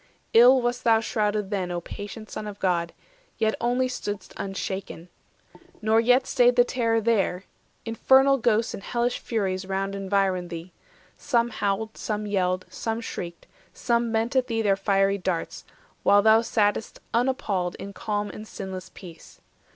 Ill wast thou shrouded then, O patient Son of God, yet only stood'st 420 Unshaken! Nor yet staid the terror there: Infernal ghosts and hellish furies round Environed thee; some howled, some yelled, some shrieked, Some bent at thee their fiery darts, while thou Sat'st unappalled in calm and sinless peace.